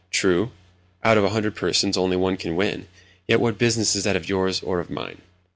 True, out of a hundred persons, only one can win; yet what business is that of yours or of mine?